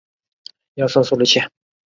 孔达有子得闾叔榖仍为大夫。